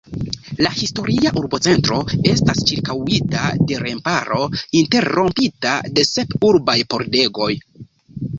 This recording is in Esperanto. La historia urbocentro estas ĉirkaŭita de remparo, interrompita de sep urbaj pordegoj.